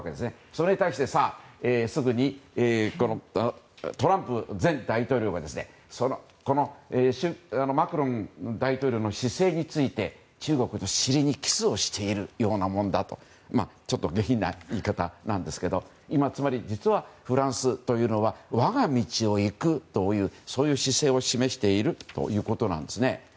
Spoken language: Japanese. それに対してすぐにトランプ前大統領がマクロン大統領の姿勢について中国の尻にキスをしているようなものだとちょっと下品な言い方なんですけどつまり、実はフランスというのは我が道を行くという姿勢を示しているということなんです。